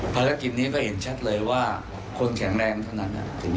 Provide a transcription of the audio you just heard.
ภารกิจนี้ก็เห็นชัดเลยว่าคนแข็งแรงเท่านั้น